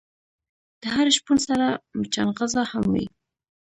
د هر شپون سره مچناغزه هم وی.